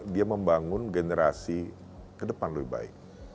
dia membangun generasi kedepan lebih baik